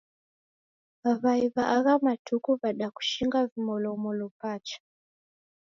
W'ai w'a agha matuku w'adakushinga vimolomolo pacha.